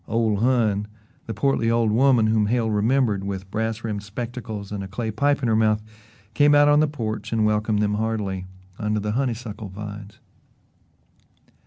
"Ole Hon," the portly old woman whom Hale remembered, with brass rimmed spectacles and a clay pipe in her mouth, came out on the porch and welcomed them heartily under the honeysuckle vines.